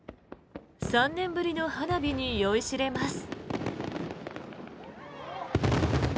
３年ぶりの花火に酔いしれます。